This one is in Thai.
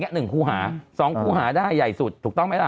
นี่อันนี้๑ครูหา๒ครูหาได้ใหญ่สุดถูกต้องไหมล่ะ